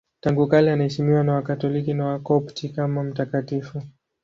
Tangu kale anaheshimiwa na Wakatoliki na Wakopti kama mtakatifu.